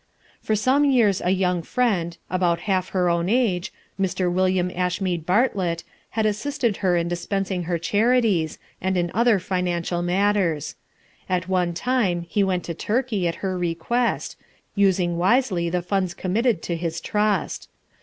For some years a young friend, about half her own age, Mr. William Ashmead Bartlett, had assisted her in dispensing her charities, and in other financial matters. At one time he went to Turkey, at her request, using wisely the funds committed to his trust.